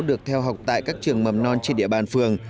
được theo học tại các trường mầm non trên địa bàn phường